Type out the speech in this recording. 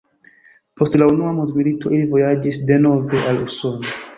Post la unua mondmilito ili vojaĝis denove al Usono.